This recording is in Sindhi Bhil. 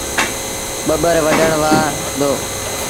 ٻٻر وڍن وهآن دو۔